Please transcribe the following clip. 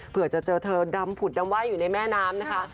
เพื่อจะเจอเธอดำผุดดำไห้อยู่ในแม่น้ำนะคะ